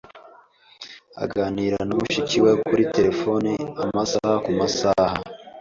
Aganira na mushiki we kuri terefone amasaha kumasaha.